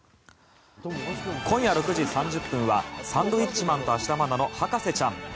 今夜６時３０分は「サンドウィッチマン＆芦田愛菜の博士ちゃん」。